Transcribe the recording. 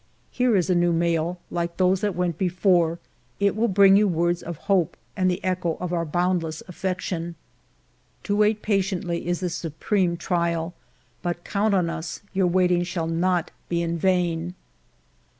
Here is a new mail ; like those that went before, it will bring you words of hope, and the echo of our boundless affection. ..." To wait patiently is the supreme trial, but 190 FIVE YEARS OF MY LIFE count on. us, your waiting shall not be in vain.